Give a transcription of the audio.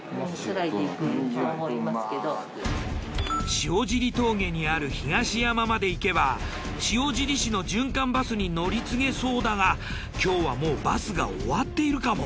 塩尻峠にある東山まで行けば塩尻市の循環バスに乗り継げそうだが今日はもうバスが終わっているかも。